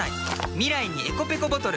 未来にｅｃｏペコボトル。